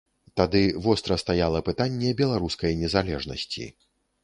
Тады востра стаяла пытанне беларускай незалежнасці.